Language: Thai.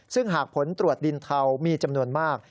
ซึ่งหากผลตรวจดินเทามีจำนวนมาก